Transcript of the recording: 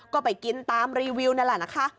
ก็ไปกินตามรีวิวนั่นแหละนะคะ